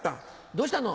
どうしたの？